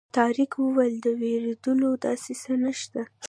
طارق وویل د وېرېدلو داسې څه نه شته.